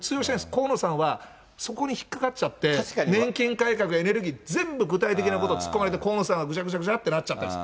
河野さんはそこに引っ掛かっちゃって、年金改革、エネルギー、全部具体的なことを突っ込まれて、河野さんはぐちゃぐちゃぐちゃってなっちゃったんです。